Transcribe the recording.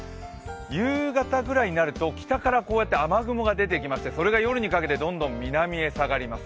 夕方ぐらいになると北からこうやって雨雲が出てきまして、それが夜にかけて、どんどん南へ下がります。